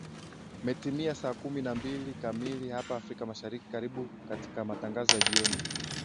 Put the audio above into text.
metimia saa kumi na mbili kamili hapa afrika mashariki karibu katika matangazo ya jioni